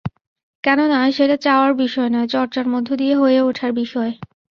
কেননা, সেটা চাওয়ার বিষয় নয়, চর্চার মধ্য দিয়ে হয়ে ওঠার বিষয়।